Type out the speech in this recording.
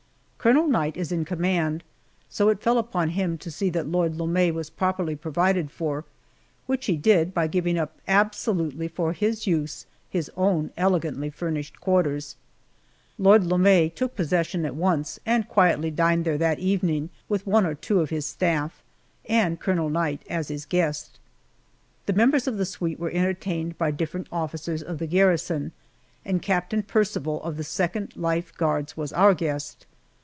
Colonel Knight is in command, so it fell upon him to see that Lord Lome was properly provided for, which he did by giving up absolutely for his use his own elegantly furnished quarters. Lord Lome took possession at once and quietly dined there that evening with one or two of his staff, and Colonel Knight as his guest. The members of the suite were entertained by different officers of the garrison, and Captain Percival of the Second Life Guards was our guest.